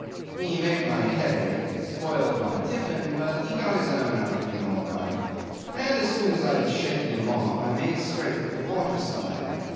He made my head ache, spoiled my tiffin, but got his own out of me all right; and as soon as I had shaken him off, I made straight for the water side.